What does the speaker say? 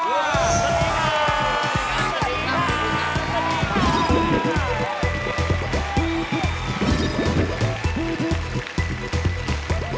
สวัสดีค่ะ